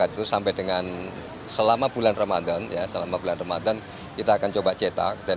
masyarakat itu sampai dengan selama bulan ramadhan ya selama bulan ramadhan kita akan coba cetak dan